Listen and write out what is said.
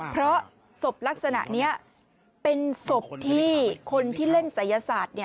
เพราะศพลักษณะนี้เป็นศพที่คนที่เล่นศัยศาสตร์